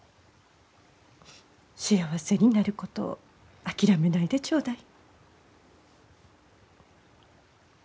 幸せになることを諦めないでちょうだい。